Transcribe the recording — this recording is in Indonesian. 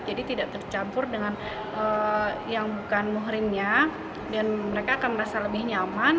jadi tidak tercampur dengan yang bukan muhrimnya dan mereka akan merasa lebih nyaman